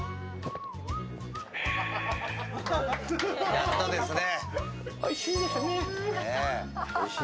やっとですね。